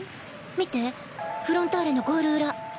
見てフロンターレのゴール裏。